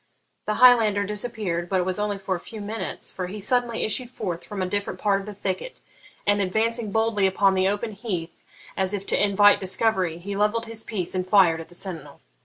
The Highlander disappeared, but it was only for a few minutes, for he suddenly issued forth from a different part of the thicket, and, advancing boldly upon the open heath as if to invite discovery, he levelled his piece and fired at the sentinel.